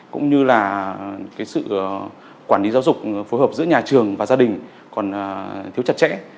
cũng như là sự quản lý giáo dục phối hợp giữa nhà trường và gia đình còn thiếu chặt chẽ